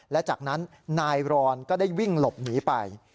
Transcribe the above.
และจากนั้นนายรอนก็ได้วิ่งหลบหนีไป